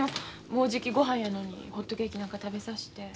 もうじきごはんやのにホットケーキなんか食べさして。